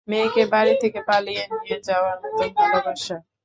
মেয়েকে বাড়ি থেকে পালিয়ে নিয়ে যাওয়ার মত ভালোবাসা।